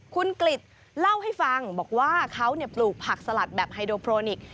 คุณกริจเล่าให้ฟังบอกว่าเขาปลูกผักสลัดแบบไฮโดโพรนิค